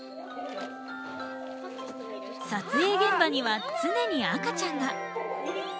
撮影現場には常に赤ちゃんが。